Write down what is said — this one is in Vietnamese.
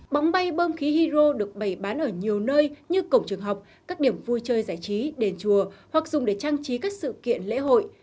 bóng bay bơm khí hydro được bày bán ở nhiều nơi như cổng trường học các điểm vui chơi giải trí đền chùa hoặc dùng để trang trí các sự kiện lễ hội